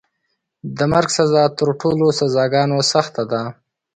د مرګ سزا تر ټولو سزاګانو سخته ده.